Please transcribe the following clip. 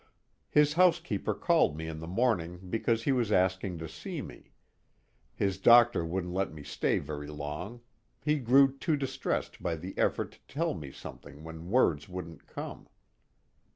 His housekeeper called me in the morning because he was asking to see me. His doctor wouldn't let me stay very long he grew too distressed by the effort to tell me something when words wouldn't come.